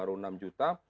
terus baru enam juta